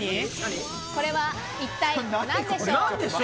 これは一体何でしょう？